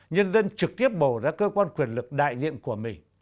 nhân dân trực tiếp bầu ra cơ quan quyền lực đại diện của mình